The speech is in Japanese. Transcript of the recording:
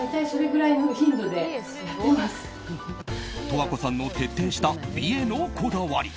十和子さんの徹底した美へのこだわり。